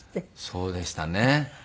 そうでしたね。